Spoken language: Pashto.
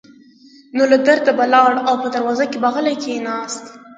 نو له درده به لاړ او په دروازه کې به غلی کېناست.